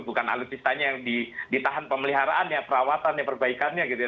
bukan alutsistanya yang ditahan pemeliharaannya perawatannya perbaikannya gitu ya